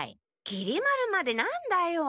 きり丸まで何だよ。